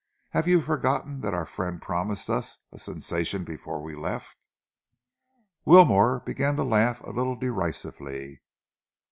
"Have you forgotten that our friend promised us a sensation before we left?" Wilmore began to laugh a little derisively.